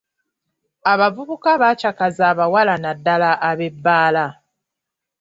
Abavubuka baakyakaza abawala, naddala ab'ebbaala.